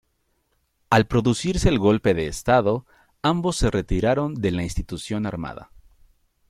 Al producirse el golpe de Estado ambos se retiraron de la institución armada.